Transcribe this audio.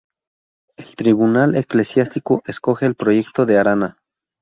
El Tribunal Eclesiástico escoge el proyecto de Arana.